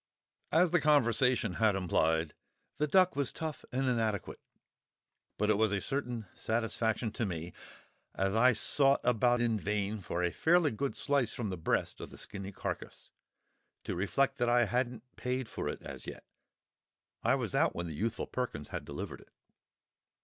As the conversation had implied, the duck was tough and inadequate; but it was a certain satisfaction to me—as I sought about in vain for a fairly good slice from the breast of the skinny carcase—to reflect that I hadn't paid for it as yet. I was out when the youthful Perkins had delivered it.